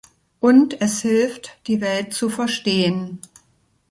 Und es hilft, die Welt zu verstehen.